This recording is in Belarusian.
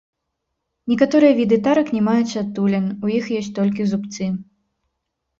Некаторыя віды тарак не маюць адтулін, у іх ёсць толькі зубцы.